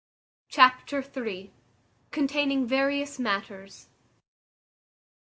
Chapter iii. Containing various matters.